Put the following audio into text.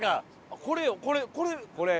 これよこれ。